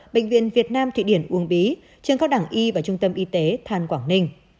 bệnh viện việt nam thụy điển uông bí trường cao đẳng y và trung tâm y tế than quảng ninh